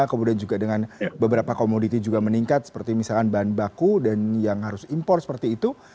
kemudian juga dengan beberapa komoditi juga meningkat seperti misalkan bahan baku dan yang harus impor seperti itu